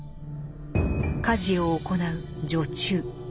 家事を行う「女中」。